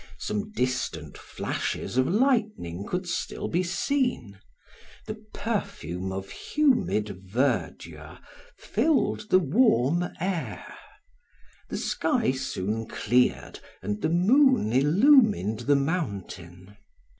Some distant flashes of lightning could still be seen; the perfume of humid verdure filled the warm air. The sky soon cleared and the moon illumined the mountain.